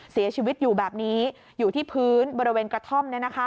เสียชีวิตอยู่แบบนี้อยู่ที่พื้นบริเวณกระท่อม